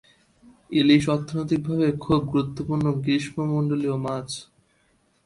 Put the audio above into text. ইলিশ অর্থনৈতিক ভাবে খুব গুরুত্বপূর্ণ গ্রীষ্মমন্ডলীয় মাছ।